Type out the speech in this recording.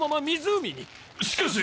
しかし。